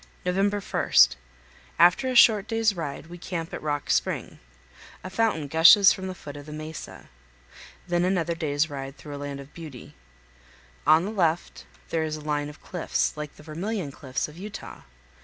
November 1. After a short day's ride we camp at Rock Spring. A fountain gushes from the foot of the mesa. Then another day's ride 354 CANYONS OF THE COLORADO. through a land of beauty. On the left there is a line of cliffs, like the Vermilion Cliffs of Utah.